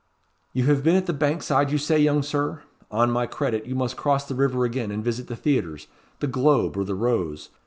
"You have been at the Bankside you say, young Sir? On my credit, you must cross the river again and visit the theatres the Globe or the Rose.